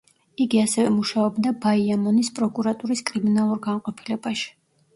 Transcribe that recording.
იგი ასევე მუშაობდა ბაიამონის პროკურატურის კრიმინალურ განყოფილებაში.